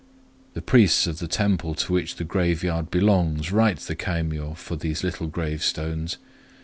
The priests of the temple to which the graveyard belongs write the kaimyô for these little gravestones.